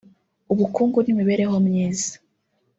ubukungu n’imibereho myiza